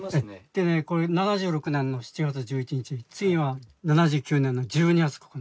でねこれ７６年の７月１１日次は７９年の１２月９日。